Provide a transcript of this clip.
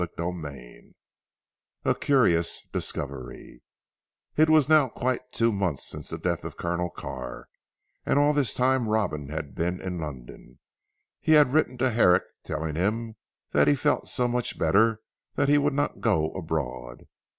CHAPTER VIII A CURIOUS DISCOVERY It was now quite two months since the death of Colonel Carr, and all this time Robin had been in London. He had written to Herrick telling him he felt so much better that he would not go abroad.